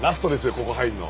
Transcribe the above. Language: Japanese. ここ入んの。